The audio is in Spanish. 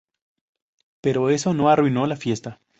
Pero eso no arruinó la fiesta.